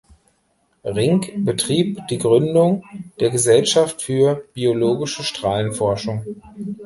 Rink betrieb die Gründung der "Gesellschaft für Biologische Strahlenforschung".